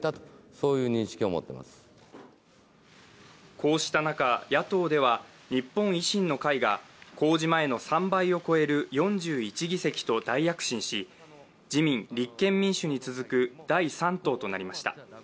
こうした中、野党では日本維新の会が公示前の３倍を超える４１議席と大躍進し自民、立憲民主に続く第３党となりました。